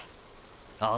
ああ！！